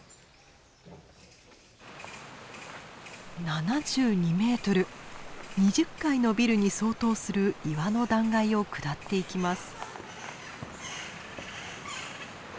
７２ｍ２０階のビルに相当する岩の断崖を下っていきます。